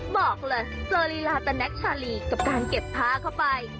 บอกเลยเจอลีลาตะแน็กชาลีกับการเก็บผ้าเข้าไป